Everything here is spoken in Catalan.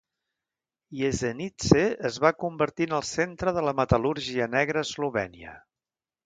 Jesenice es va convertir en el centre de la metal·lúrgia negra a Eslovènia.